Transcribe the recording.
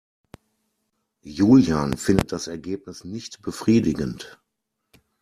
Julian findet das Ergebnis nicht befriedigend.